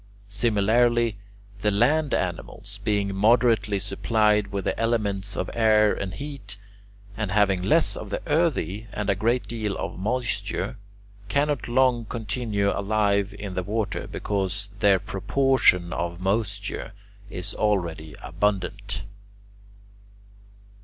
Similarly, the land animals, being moderately supplied with the elements of air and heat, and having less of the earthy and a great deal of moisture, cannot long continue alive in the water, because their portion of moisture is already abundant.